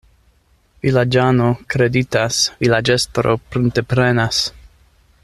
Vilaĝano kreditas, vilaĝestro prunteprenas.